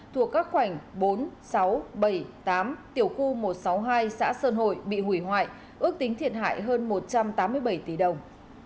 thuộc các khoảnh bốn sáu bảy tám tiểu khu một trăm sáu mươi hai xã sơn hội bị hủy hoại ước tính thiệt hại hơn một trăm tám mươi bảy tỷ đồng